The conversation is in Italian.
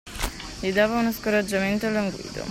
Gli dava uno scoraggiamento languido